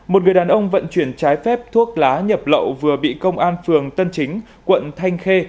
một người đàn ông vận chuyển trái phép thuốc lá nhập lậu vừa bị công an phường tân chính quận thanh khê